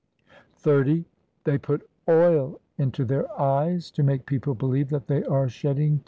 XXX They put oil into their eyes to make people believe that they are shedding tears.